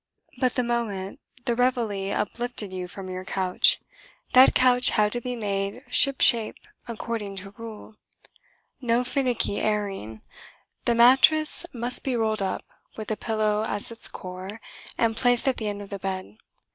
But the moment the Réveillé uplifted you from your couch, that couch had to be made ship shape according to rule. No finicky "airing"! The mattress must be rolled up, with the pillow as its core, and placed at the end of the bed.